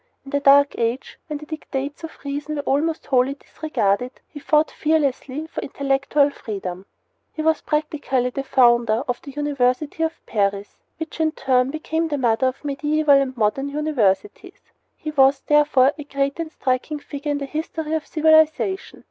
In the Dark Age, when the dictates of reason were almost wholly disregarded, he fought fearlessly for intellectual freedom. He was practically the founder of the University of Paris, which in turn became the mother of medieval and modern universities. He was, therefore, a great and striking figure in the history of civilization.